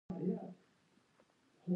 چرګان د افغانستان د طبیعي زیرمو برخه ده.